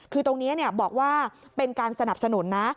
คือตรงนี้บอกว่าเป็นการสนับสนุนนะ